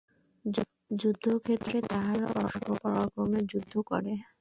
যুদ্ধক্ষেত্রে তাহারা অসুর-পরাক্রমে যুদ্ধ করে।